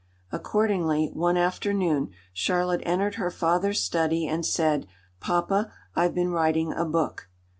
Accordingly one afternoon Charlotte entered her father's study and said, "Papa, I've been writing a book."